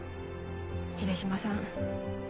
秀島さん